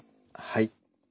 はい。